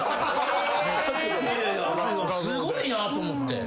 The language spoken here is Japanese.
すごいなと思って。